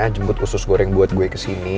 jemput usus goreng buat gue kesini